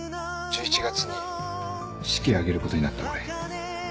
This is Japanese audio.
１１月に式挙げることになった俺。